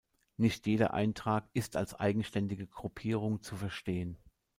Nicht jeder Eintrag ist als eigenständige Gruppierung zu verstehen.